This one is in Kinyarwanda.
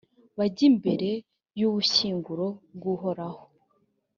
bajye imbere y’ubushyinguro bw’uhoraho.»